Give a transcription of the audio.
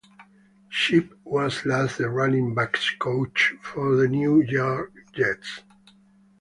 Shipp was last the running backs coach for the New York Jets.